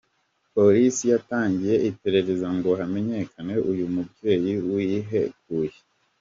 Poilisi yatangiye iperereza ngo hamenyekane uyu mubyeyi wihekuye.